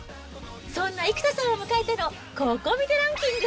そんな生田さんを迎えての、ココ見てランキング。